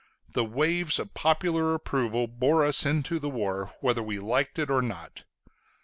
The waves of popular approval bore us into the war, whether we liked it or not.